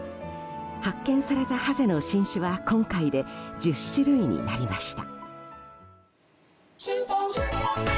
発見されたハゼの新種は今回で１０種類になりました。